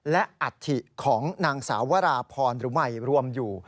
และอัฐิของนางสาววราพรหรือใหม่รวมอยู่